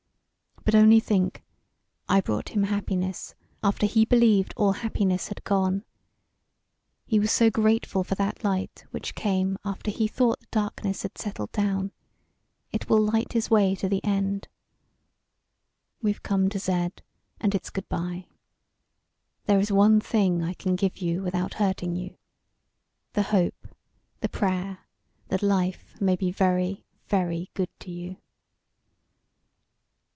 But only think I brought him happiness after he believed all happiness had gone. He was so grateful for that light which came after he thought the darkness had settled down. It will light his way to the end. "We've come to Z, and it's good bye. There is one thing I can give you without hurting you, the hope, the prayer, that life may be very, very good to you."